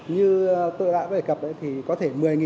như tôi đã cập thì có thể một mươi hai mươi đồng